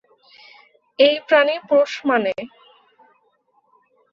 এই প্রাণী পোষ মানে।